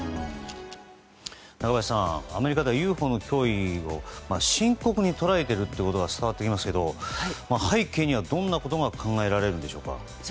中林さん、アメリカではＵＦＯの脅威を深刻に捉えていることが伝わってきますけど背景にはどんなことが考えられるんでしょうか。